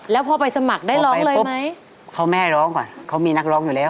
แล้วพอไปสมัครได้ร้องเลยไหมเขาไม่ให้ร้องก่อนเขามีนักร้องอยู่แล้ว